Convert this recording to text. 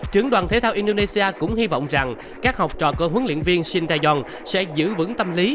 trưởng đoàn thể tạo indonesia cũng hy vọng rằng các học trò của huấn luyện viên shin taeyong sẽ giữ vững tâm lý